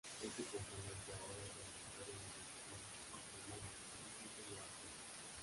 Este componente ahora obligatorio en los vehículos automóviles, no siempre lo ha sido.